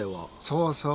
そうそう。